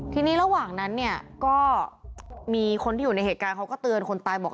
ทีนี้ระหว่างนั้นเนี่ยก็มีคนที่อยู่ในเหตุการณ์เขาก็เตือนคนตายบอก